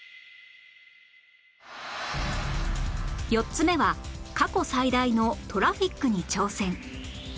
４つ目は過去最大のトラフィックに挑戦